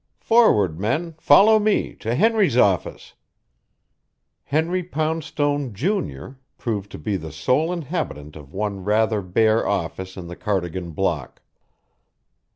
Forward, men, follow me to Henry's office." Henry Poundstone, Junior, proved to be the sole inhabitant of one rather bare office in the Cardigan Block.